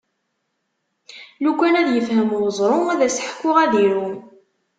Lukan ad ifhem uẓru, ad as-ḥkuɣ ad iru.